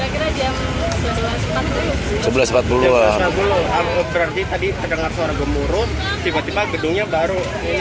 kira kira jam sebelas empat puluh tadi terdengar suara gemurut tiba tiba gedungnya baru